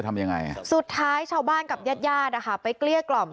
ค่ะสุดท้ายชาวบ้านกับญาติยาดไปเกลี้ยกล่อม